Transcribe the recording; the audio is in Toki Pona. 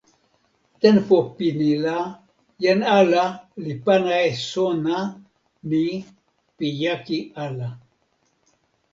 tenpo pini la jan ala li pana e sona ni pi jaki ala.